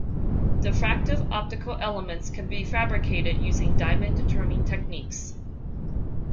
Diffractive optical elements can be fabricated using diamond turning techniques.